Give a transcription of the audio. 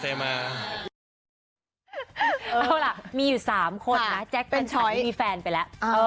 เอาล่ะมีอยู่๓คนนะแจ๊คเป็นช้อยมีแฟนไปแล้ว